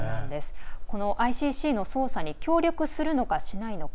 ＩＣＣの捜査に協力するのか、しないのか。